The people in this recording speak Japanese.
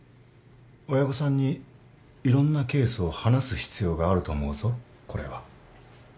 親御さんにいろんなケースを話す必要があると思うぞこれは。